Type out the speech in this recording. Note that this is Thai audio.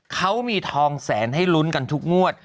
เขามีทองแสนให้ลุ้นกันทุกงวด